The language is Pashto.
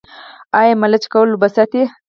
آیا ملچ کول اوبه ساتي؟